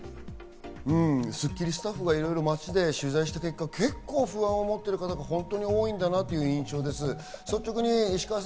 スッキリスタッフがいろいろ街で取材した結果、結構不安を持ってる方が多いんだなという印象です。